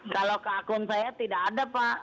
kalau ke akun saya tidak ada pak